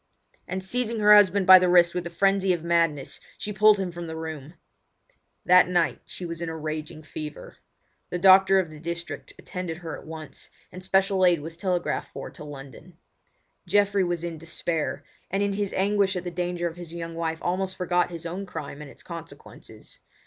and seizing her husband by the wrist with the frenzy of madness, she pulled him from the room. That night she was in a raging fever. The doctor of the district attended her at once, and special aid was telegraphed for to London. Geoffrey was in despair, and in his anguish at the danger of his young wife almost forgot his own crime and its consequences.